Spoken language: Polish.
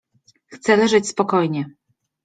Chce leżeć spokojnie.